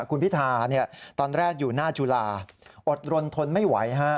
คุณพิธาตอนแรกอยู่หน้าจุลาอดรนทนไม่ไหวฮะ